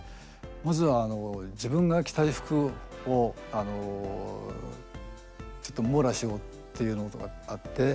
まずは自分が着たい服をあのちょっと網羅しようっていうのとかあって。